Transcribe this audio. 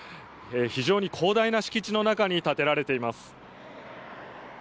非常に広大な敷地の中に立てられています。